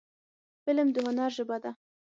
فلم د هنر ژبه ده